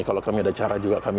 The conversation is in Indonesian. kalau kami ada cara juga kami